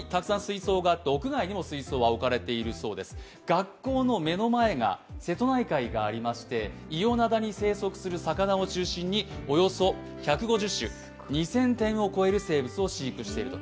学校の目の前が瀬戸内海がありまして伊予灘に生息する魚を中心におよそ１５０種、２０００点を超える生物を飼育していると。